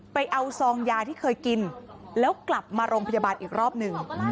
ไปเอาซองยาที่เคยกินแล้วกลับมาโรงพยาบาลอีกรอบหนึ่ง